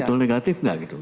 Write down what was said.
betul negatif nggak gitu